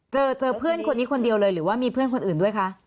เจอเจอเพื่อนคนนี้คนเดียวเลยหรือว่ามีเพื่อนคนอื่นด้วยคะ